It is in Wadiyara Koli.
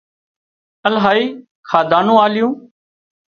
الاهي کاڌا نُون آليون